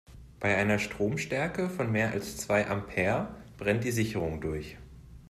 Bei einer Stromstärke von mehr als zwei Ampere brennt die Sicherung durch.